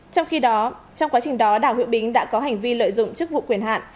trong khi đó trong quá trình đó đào hữu bính đã có hành vi lợi dụng chức vụ quyền hạn